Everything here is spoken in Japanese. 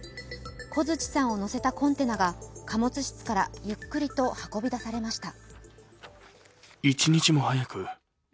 小槌さんを乗せたコンテナが貨物室からゆっくり運び出されました。